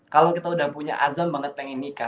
kalau kita udah punya azan banget pengen nikah